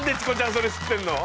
それ知ってんの？